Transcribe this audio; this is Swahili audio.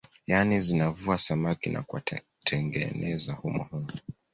Yani zinavua samaki na kuwatengeneza humo humo